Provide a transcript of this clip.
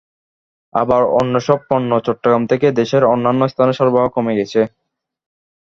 আবার অন্যসব পণ্য চট্টগ্রাম থেকে দেশের অন্যান্য স্থানে সরবরাহ কমে গেছে।